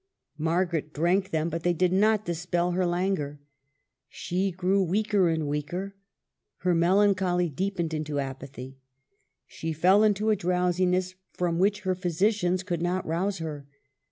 Margaret drank them, but they did not dispel her languor. She grew weaker and weaker. Her melancholy deepened into apathy. She fell into a drowsiness from which her physicians could not rouse her.